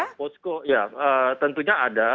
posko ya tentunya ada